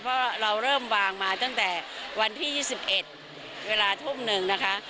เพราะเราเริ่มวางมาตั้งแต่วันที่๒๑เวลาทุ่มหนึ่งนะคะ